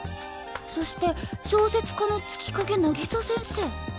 そして小説家の月影渚先生？